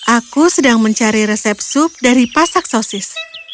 aku sedang mencari resep sup dari pasak sosis